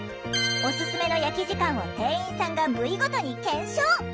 おすすめの焼き時間を定員さんが部位ごとに検証。